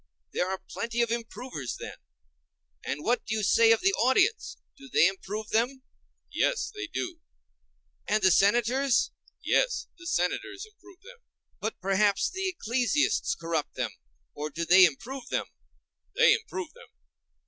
There are plenty of improvers, then. And what do you say of the audience,—do they improve them? Yes, they do. And the Senators? Yes, the Senators improve them. But perhaps the ecclesiasts corrupt them?—or do they too improve them? They improve them.